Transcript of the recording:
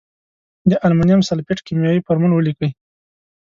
د المونیم سلفیټ کیمیاوي فورمول ولیکئ.